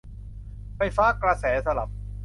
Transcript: ไฟฟ้ากระแสสลับ